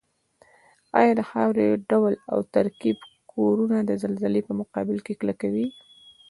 ایا د خاورې ډول او ترکیب کورنه د زلزلې په مقابل کې کلکوي؟